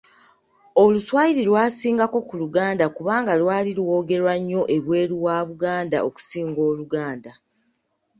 Oluswayiri lwasingako ku Luganda kubanga lwali lwogerwa nnyo ebweru wa Buganda okusinga Oluganda.